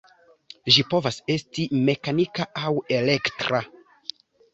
Ĝi povas esti mekanika aŭ elektra.